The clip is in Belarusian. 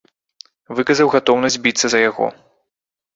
Выказаў гатоўнасць біцца за яго.